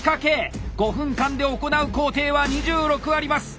５分間で行う工程は２６あります！